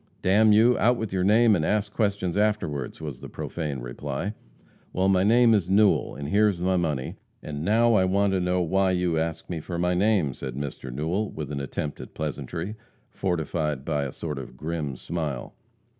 "D n you, out with your name, and ask questions afterward!" was the profane reply. "Well, my name is Newell, and here's my money, and now I want to know why you ask me for my name?" said Mr. Newell, with an attempt at pleasantry, fortified by a sort of grim smile.